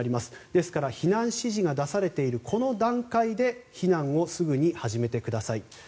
ですから避難指示が出されているこの段階で避難をすぐに始めてください。